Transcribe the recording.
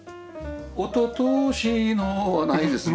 「おととしの」はないですね。